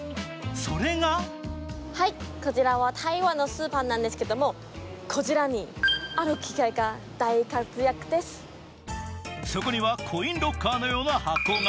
それがそこにはコインロッカーのような箱が。